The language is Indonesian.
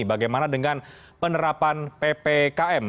bagaimana dengan penerapan ppkm